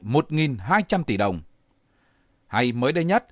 bởi các tổ chức doanh nghiệp